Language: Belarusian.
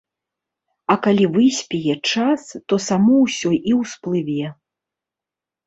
А калі выспее час, то само ўсё і ўсплыве.